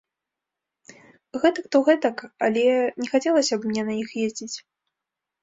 Гэтак то гэтак, але не хацелася б мне на іх ездзіць.